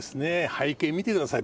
背景見てください。